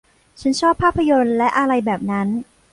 ฉันชอบภาพยนตร์และอะไรแบบนั้น